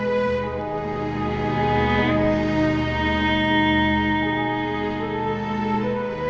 dia sudah kembali ke rumah sakit